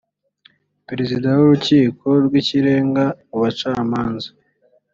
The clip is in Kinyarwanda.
perezida w urukiko rw ikirenga mu bacamanza